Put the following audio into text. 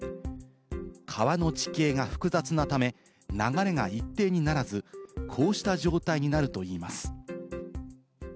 川の地形が複雑なため、流れが一定にならず、こうした状態になるといいます。